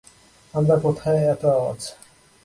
আমরা কোথায় এতো আওয়াজ!